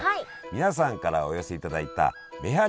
皆さんからお寄せいただいためはり